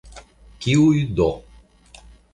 Kiuj do?